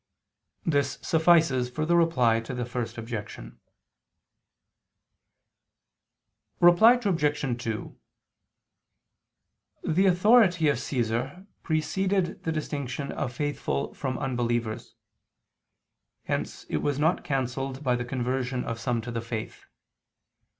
This suffices for the Reply to the First Objection. Reply Obj. 2: The authority of Caesar preceded the distinction of faithful from unbelievers. Hence it was not cancelled by the conversion of some to the faith.